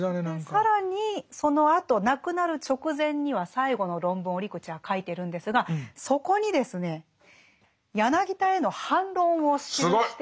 更にそのあと亡くなる直前には最後の論文を折口は書いてるんですがそこにですね柳田への反論を記しているんですね。